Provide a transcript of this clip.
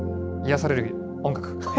癒やされる音楽。